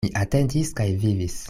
Mi atendis kaj vivis.